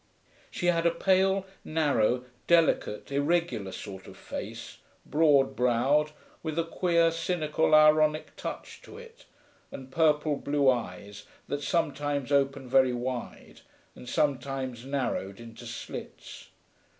She had a pale, narrow, delicate, irregular sort of face, broad browed, with a queer, cynical, ironic touch to it, and purple blue eyes that sometimes opened very wide and sometimes narrowed into slits.